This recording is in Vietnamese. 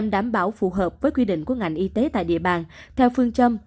đảm bảo phù hợp với quy định của ngành y tế tại địa bàn theo phương châm